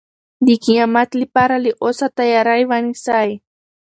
د قیامت لپاره له اوسه تیاری ونیسئ.